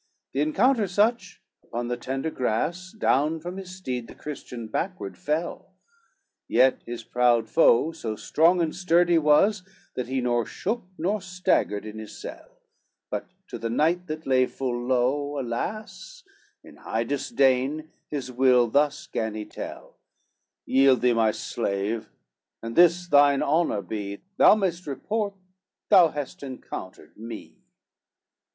XXXII The encounter such, upon the tender grass, Down from his steed the Christian backward fell; Yet his proud foe so strong and sturdy was, That he nor shook, nor staggered in his sell, But to the knight that lay full low, alas, In high disdain his will thus gan he tell, "Yield thee my slave, and this thine honor be, Thou may'st report thou hast encountered me."